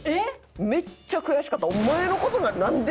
めっちゃ悔しかった。